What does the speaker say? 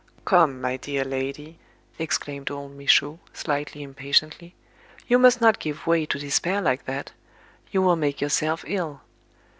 "Come, my dear lady," exclaimed old Michaud, slightly impatiently, "you must not give way to despair like that. You will make yourself ill."